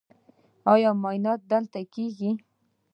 ایا معاینات دلته کیږي؟